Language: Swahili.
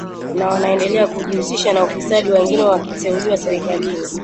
na wanaendelea kujihusisha na ufisadi wengine wakiteuliwa serikalini